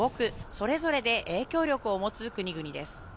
それぞれで影響力を持つ国々です。